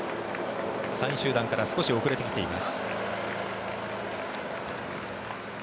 ３位集団から少し遅れてきています。